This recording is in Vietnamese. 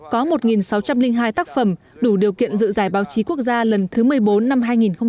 có một sáu trăm linh hai tác phẩm đủ điều kiện dự giải báo chí quốc gia lần thứ một mươi bốn năm hai nghìn một mươi chín